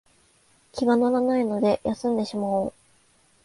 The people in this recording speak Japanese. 気が乗らないので休んでしまおう